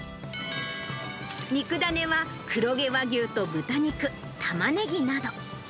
肉種は黒毛和牛と豚肉、タマネギなど。